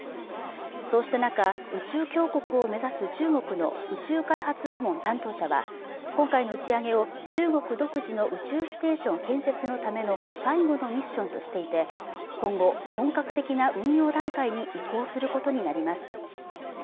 そうした中宇宙強国を目指す中国の宇宙開発部門担当者は今回の打ち上げを中国独自の宇宙ステーション建設のための最後のミッションとしていて今後本格的な運用段階に移行することになります